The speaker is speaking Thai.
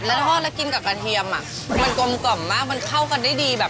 แล้วกินกับกระเทียมมันกลมกล่อมมากมันเข้ากันได้ดี